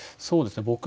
そうですね